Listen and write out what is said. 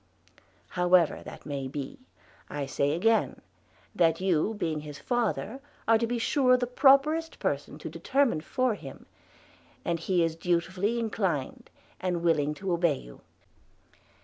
However that maye bee, I saie again, that you, being his father, are to be sure the propperest personne to determine for him, and he is dutiefullie inclined, and willinge to obey you.